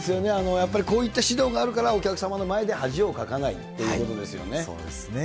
やっぱりこういった指導があるから、お客様の前で恥をかかないっそうですね。